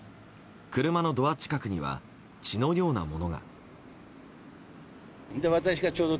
車のドア近くには血のようなものが。